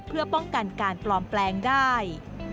เพื่อป้องกันการปลอมแปลงได้